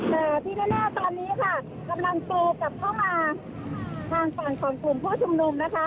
แต่ที่แน่ตอนนี้ค่ะกำลังโตกลับเข้ามาทางฝั่งของกลุ่มผู้ชุมนุมนะคะ